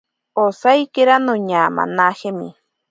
Osaikira noñamanajemi.